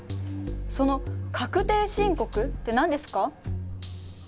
その確定申告って何ですか？